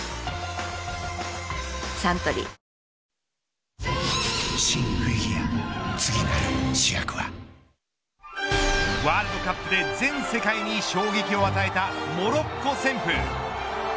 サントリーワールドカップで全世界に衝撃を与えたモロッコ旋風。